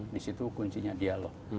di situ kuncinya dialog